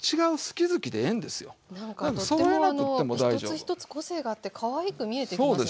一つ一つ個性があってかわいく見えてきますよね。